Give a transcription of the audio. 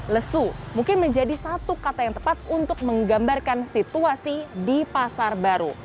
lesu mungkin menjadi satu kata yang tepat untuk menggambarkan situasi di pasar baru